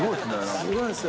すごいんですよ。